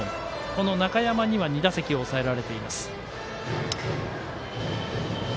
この中山には２打席を抑えられています。